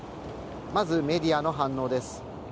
まずメディアの反応です。